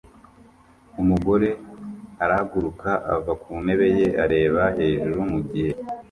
Umugore arahaguruka ava ku ntebe ye areba hejuru mu gihe